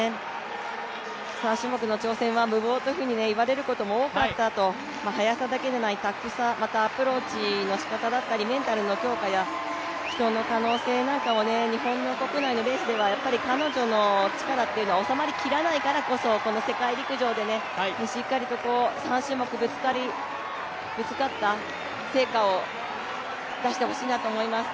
３種目の挑戦は無謀と言われることも多かったんですが、多かったと、速さだけじゃない、タフさ、アプローチ、メンタルの強化や人の可能性なんかも日本の国内のレースでは彼女の力は収まりきらないからこそ、この世界陸上でしっかりと３種目ぶつかった成果を出してほしいなと思います。